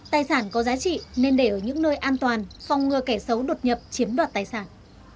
tài sản có giá trị nên để ở những nơi an toàn phòng ngừa kẻ xấu đột nhập chiếm đoạt tài sản